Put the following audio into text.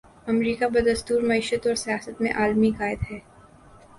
امریکہ بدستور معیشت اور سیاست میں عالمی قائد ہے۔